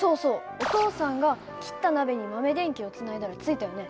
お父さんが切った鍋に豆電球をつないだらついたよね。